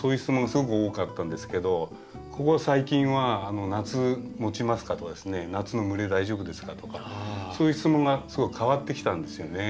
すごく多かったんですけどここ最近は「夏もちますか？」とかですね「夏の蒸れ大丈夫ですか？」とかそういう質問がすごく変わってきたんですよね。